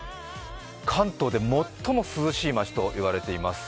関東で最も涼しい街と言われています。